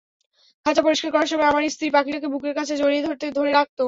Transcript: খাঁচা পরিষ্কার করার সময় আমার স্ত্রী পাখিটাকে বুকের কাছে জড়িয়ে ধরে রাখত।